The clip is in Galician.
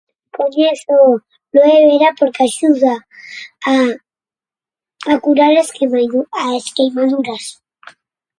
O [unintelligible] porque axuda a a curar as queimadu- as queimaduras.